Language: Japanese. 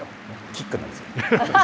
キックなんです。